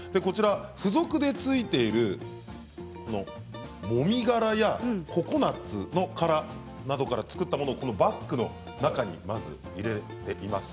付属でついているもみ殻やココナツの殻から作ったものをバッグの中にまず入れています。